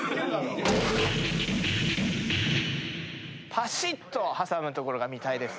パシッと挟むところが見たいです。